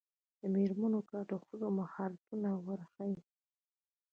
د میرمنو کار د ښځو مهارتونه ورښيي.